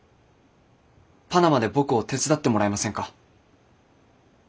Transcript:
パナマで僕を手伝ってもらえませんか。